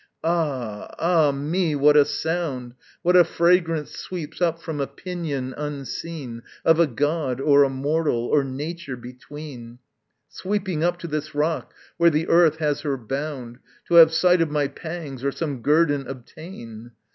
Ah, ah me! what a sound, What a fragrance sweeps up from a pinion unseen Of a god, or a mortal, or nature between, Sweeping up to this rock where the earth has her bound, To have sight of my pangs or some guerdon obtain.